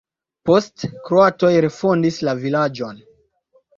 Poste kroatoj refondis la vilaĝon.